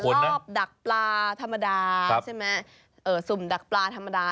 ปกตินี้ผมเคยเห็นแต่รอบดักปลาธรรมดาซุ่มดักปลาธรรมดา